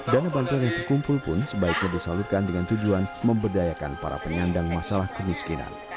dana bantuan yang terkumpul pun sebaiknya disalurkan dengan tujuan memberdayakan para penyandang masalah kemiskinan